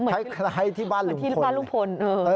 เหมือนที่บ้านลูกพล